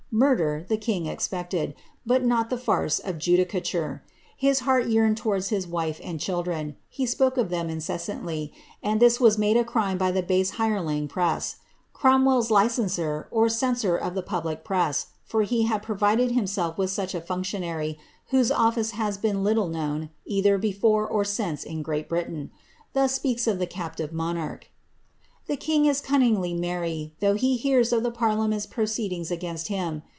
Murder the king expected, but not the fioce of ju dicature. His heart yearned towards his wife and children ; he spoke of them incessantly, and this was made a crime by the bsM birelins press. CromwelPs licenser' or censor of the public press (for he had provided himself with such a functionary, whose ofRce has been little known, either before or since in Great Britain) thus speaks of the csp tive monarch :—^ The king is cunningly merry, though he hears of the parliament's proceedings against him.